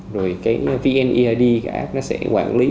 rồi cái vneid app nó sẽ quản lý